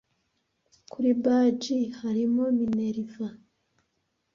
Kuri badge harimo Minerva